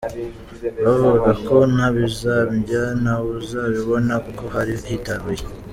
Bavugaga ko nabizambya ntawuzabibona, kuko hari hitaruye.